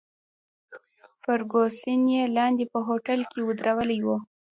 فرګوسن یې لاندې په هوټل کې ودرولې وه.